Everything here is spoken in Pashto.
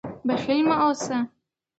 بخیل مه اوسئ.